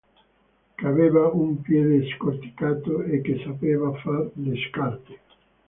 Che aveva un piede scorticato e che sapeva far le scarpe.